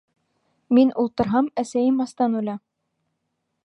Мин ултырһам, әсәйем астан үлә!